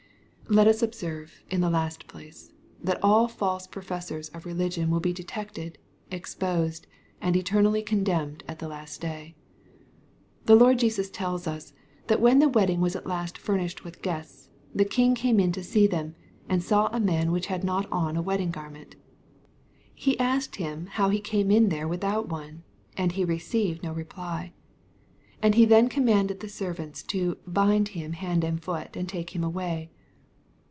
Let us observe, in the last place, that ^U false profes sors of religion tvill be detected, exposed, and eternally condemned at the last day.) The Lord Jesus tells us, that when the wedding was at last famished with guests, the king came in to see them, and ^^ saw a man which had not on a wedding garment." He asked him how he came in there without one, and he received no reply. And be then commanded the servants to ^^ bind him hand and foot and take him away."